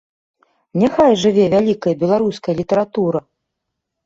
Няхай жыве вялікая беларуская літаратура!